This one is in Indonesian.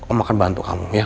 om akan bantu kamu ya